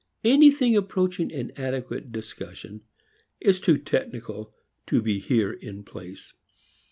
Anything approaching an adequate discussion is too technical to be here in place.